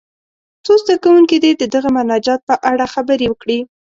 څو زده کوونکي دې د دغه مناجات په اړه خبرې وکړي.